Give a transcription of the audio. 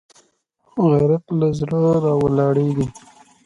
غیرت له زړه راولاړېږي